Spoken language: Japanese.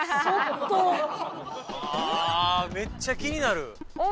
ああめっちゃ気になる！